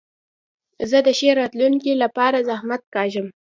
زه د ښې راتلونکي له پاره زحمت کاږم.